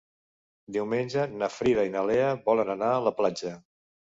Diumenge na Frida i na Lea volen anar a la platja.